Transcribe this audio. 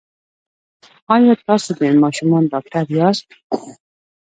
ایا تاسو د ماشومانو ډاکټر یاست؟